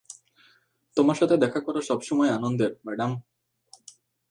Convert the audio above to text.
তোমার সাথে দেখা করা সবসময়ই আনন্দের, ম্যাডাম।